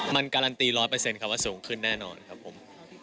มันการันตีร้อยเปอร์เซ็นต์ครับว่าสูงขึ้นแน่นอนครับผม